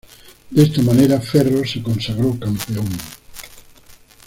De esta manera, Ferro se consagró campeón.